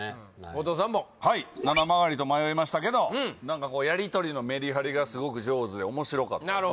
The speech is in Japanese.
後藤さんもはいななまがりと迷いましたけどやりとりのメリハリがすごく上手で面白かったですね